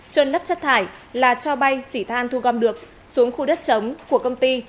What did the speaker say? trôn lấp chất thải là cho bay xỉ than thu gom được xuống khu đất chống của công ty